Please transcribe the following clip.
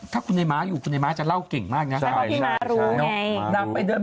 ถ้าคุณไอ้ม้าอยู่คุณไอ้ม้าจะเล่าเก่งมากนะ